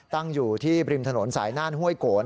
ตั้งอยู่ที่ริมถนนสายน่านห้วยโกน